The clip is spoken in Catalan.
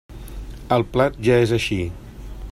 El plat ja és així.